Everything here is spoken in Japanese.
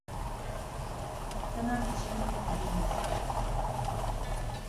フタなんてしなくてもいいんです